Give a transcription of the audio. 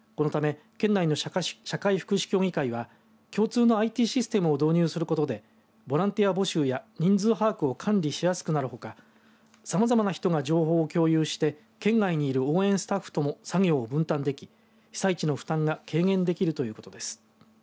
このため県内の社会福祉協議会は共通のＩＴシステムを導入することでボランティア募集や人数把握を管理しやすくなるほかさまざまな人が情報を共有して県外にいる応援スタッフとも作業を分担でき、被災地の負担が軽減できるということです。